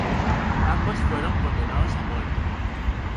Ambos fueron condenados a muerte.